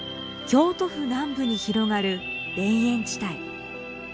京都府南部に広がる田園地帯。